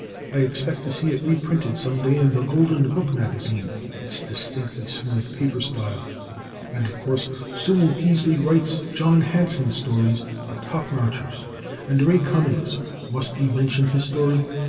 I expect to see it reprinted some day in The Golden Book Magazine. It's distinctly smooth paper style. And of course Sewell Peaslee Wright's "John Hanson" stories are top notchers. And Ray Cummings. Must we mention his story?